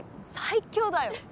最強だよ。